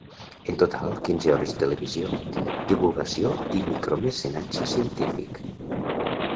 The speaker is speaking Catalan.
En total, quinze hores de televisió, divulgació i micromecenatge científic.